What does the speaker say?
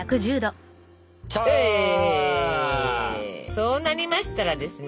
そうなりましたらですね